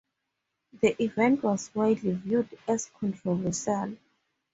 The event was widely viewed as controversial.